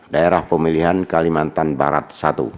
daerah pemilihan kalimantan barat satu